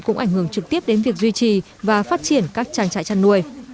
cũng ảnh hưởng trực tiếp đến việc duy trì và phát triển các trang trại chăn nuôi